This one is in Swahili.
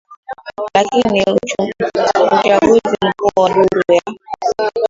lakini uchaguzi mkuu wa duru ya